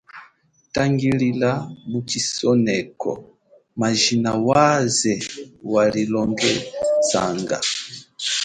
Tangilila mu chisoneko majina waze walilongesanga.